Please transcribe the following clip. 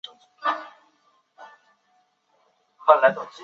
但其合格标准比食用奶粉低。